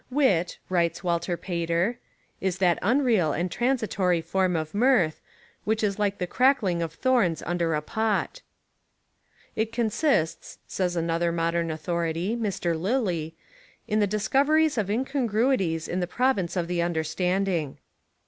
"Wit," writes Walter Pater, "is that unreal and transitory 112 American Humour form of mirth, which is like the crackling of thorns under a pot." "It consists," says an other modern authority, Mr, Lilly, "in the dis coveries of incongruities in the province of the understanding."